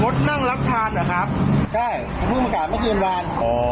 อดนั่งรับทานเหรอครับได้แต่พวกมันกลายไม่กินร้านอ๋อ